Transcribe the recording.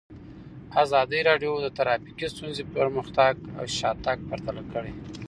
ازادي راډیو د ټرافیکي ستونزې پرمختګ او شاتګ پرتله کړی.